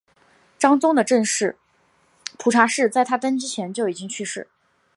章宗的正室蒲察氏在他登基前就已经去世。